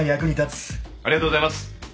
ありがとうございます。